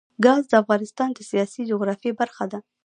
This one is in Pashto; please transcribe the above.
ګاز د افغانستان د سیاسي جغرافیه برخه ده.